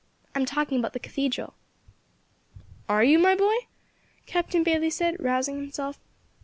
I am talking about the cathedral." "Are you, my boy?" Captain Bayley said, rousing himself.